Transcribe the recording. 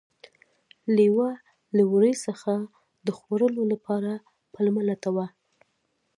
لیوه له وري څخه د خوړلو لپاره پلمه لټوله.